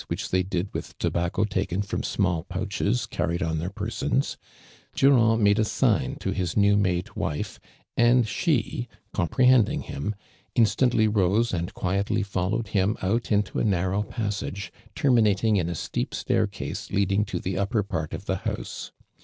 which they did with to bacco tnken from small pouches cariied on their jtersons, iJurand made a sign to his new made wife, and she, comprehen<ling liiin, instantly r )>e and quietly followed him out into a narrow passage terminating in a teep staircase leading to the upper ]>art <ir tiie house.